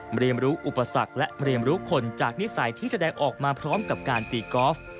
เรียนรู้อุปสรรคและเรียนรู้คนจากนิสัยที่แสดงออกมาพร้อมกับการตีกอล์ฟ